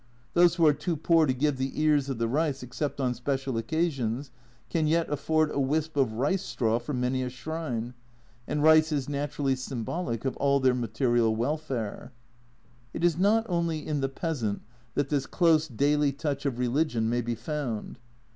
Those who are too poor to give the ears of the rice except on special occasions, can yet afford a wisp of rice straw for many a shrine, and rice is naturally symbolic of all their material welfare. It is not only in the peasant that this close daily touch of religion may be found.